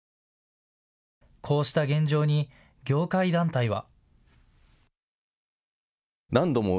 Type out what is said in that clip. こうした現状に業界団体は。